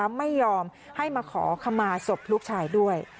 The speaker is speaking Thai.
ไม่ยอมให้มาขอขมาศพลูกชายด้วย